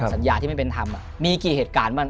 สัญญาที่ไม่เป็นธรรมมีกี่เหตุการณ์บ้าง